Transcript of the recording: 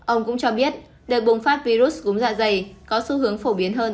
ông cũng cho biết đợt bùng phát virus cúm dạ dày có xu hướng phổ biến hơn